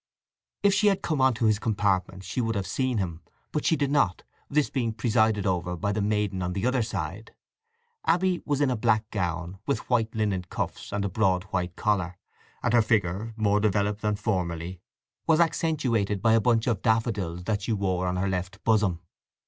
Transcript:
If she had come on to his compartment she would have seen him. But she did not, this being presided over by the maiden on the other side. Abby was in a black gown, with white linen cuffs and a broad white collar, and her figure, more developed than formerly, was accentuated by a bunch of daffodils that she wore on her left bosom.